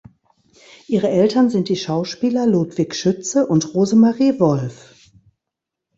Ihre Eltern sind die Schauspieler Ludwig Schütze und Rosemarie Wolf.